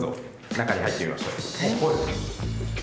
中に入ってみましょう。